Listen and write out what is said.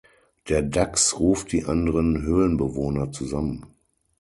Der Dachs ruft die anderen Höhlenbewohner zusammen.